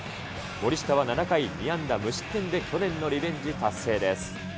森下は７回、２安打無失点で去年のリベンジ達成です。